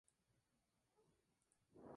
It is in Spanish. Tiene efecto residual prolongado en el suelo.